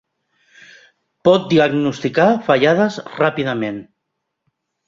Pot diagnosticar fallades ràpidament.